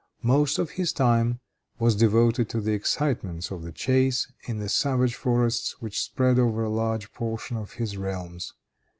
Most of his time was devoted to the excitements of the chase in the savage forests which spread over a large portion of his realms.